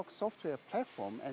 dan perusahaan yang diberikan